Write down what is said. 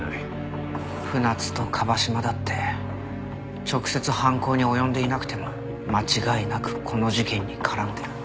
船津と椛島だって直接犯行に及んでいなくても間違いなくこの事件に絡んでる。